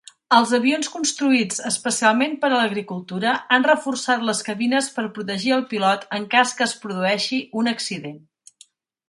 Els avions construïts especialment per a l"agricultura han reforçat les cabines per protegir el pilot en cas que es produeixi un accident.